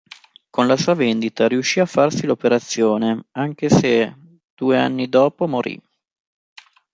Con la sua vendita riuscì a farsi l'operazione anche se due anni dopo morì.